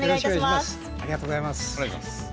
ありがとうございます。